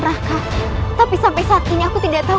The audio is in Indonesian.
raka tapi sampai saat ini aku tidak tahu